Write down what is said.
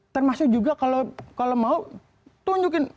termasuk juga kalau mau tunjukin